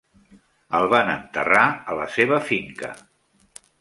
El van enterrar a la seva finca.